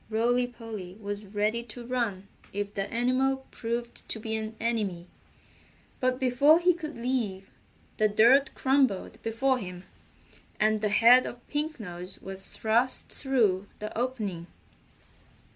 Rolly Polly was ready to run if the animal proved to be an enemy, but before he could leave the dirt crumbled before him, and the head of Pink Nose was thrust through the opening.